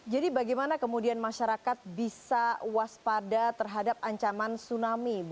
jadi bagaimana kemudian masyarakat bisa waspada terhadap ancaman tsunami